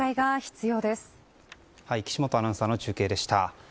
岸本アナウンサーの中継でした。